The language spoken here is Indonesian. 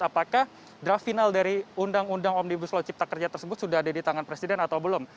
apakah draft final dari undang undang omnibus law cipta kerja tersebut sudah ada di tangan presiden atau belum